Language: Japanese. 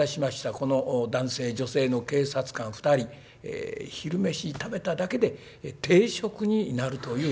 この男性女性の警察官２人昼飯食べただけで停職になるという出来事がございました。